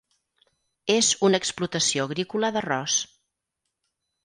És una explotació agrícola d'arròs.